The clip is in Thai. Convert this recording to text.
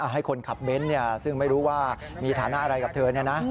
ให้คนขับเบ้นซึ่งไม่รู้ว่ามีฐานะอะไรกับเธอ